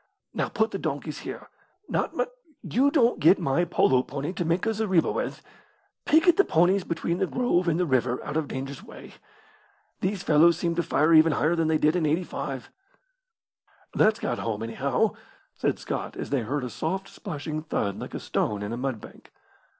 Now put the donkeys here. Not much you don't get my polo pony to make a zareba with. Picket the ponies between the grove and the river out of danger's way. These fellows seem to fire even higher than they did in '85." "That's got home, anyhow," said Scott, as they heard a soft, splashing thud like a stone in a mud bank.